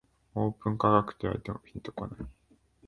オープン価格と言われてもピンとこない